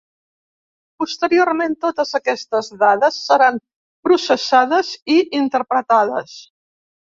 Posteriorment totes aquestes dades seran processades i interpretades.